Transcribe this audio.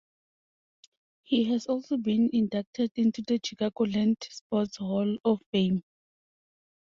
He has also been inducted into the Chicagoland Sports Hall of Fame.